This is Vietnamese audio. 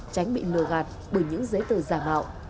tránh bị lừa gạt bởi những giấy tờ giả mạo